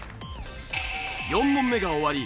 ４問目が終わり